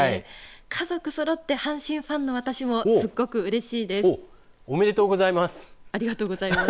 家族そろって阪神ファンの私もすごくうれしいです。